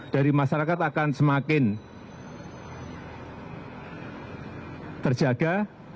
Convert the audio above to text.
dari masyarakat akan semakin terjaga